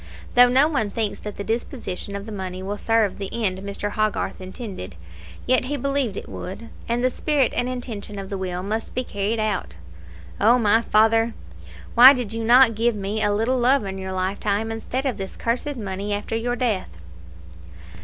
Though no one thinks that the disposition of the money will serve the end Mr. Hogarth intended, yet he believed it would, and the spirit and intention of the will must be carried out. Oh, my father! why did you not give me a little love in your lifetime instead of this cursed money after your death?"